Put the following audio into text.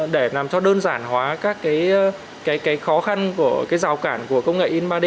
để làm cho đơn giản hóa các cái khó khăn của cái rào cản của công nghệ in ba d